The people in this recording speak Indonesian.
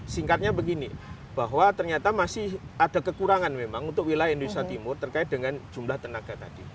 singkatnya begini bahwa ternyata masih ada kekurangan memang untuk wilayah indonesia timur terkait dengan jumlah tenaga tadi